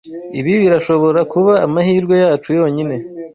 Ibi birashobora kuba amahirwe yacu yonyine.